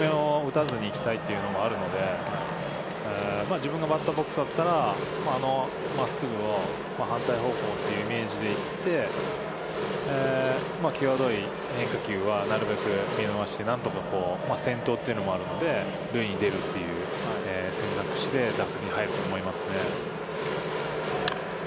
低めをというところでもあるので、自分がバッターボックスに立ったら、真っすぐを反対方向というイメージでいって、際どい変化球はなるべく見逃して、何とか先頭というのもあるので、塁に出るという選択肢で打席に入ると思いますね。